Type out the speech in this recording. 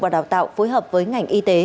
và đào tạo phối hợp với ngành y tế